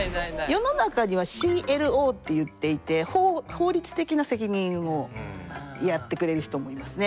世の中にはＣＬＯっていっていて法律的な責任をやってくれる人もいますね。